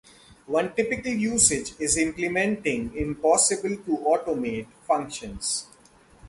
One typical usage is implementing impossible-to-automate functions.